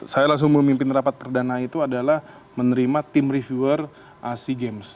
saya langsung memimpin rapat perdana itu adalah menerima tim reviewer sea games